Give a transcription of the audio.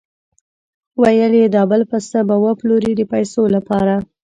ویل یې دا بل پسه به وپلوري د پیسو لپاره.